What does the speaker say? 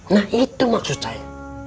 nah itu maksud saya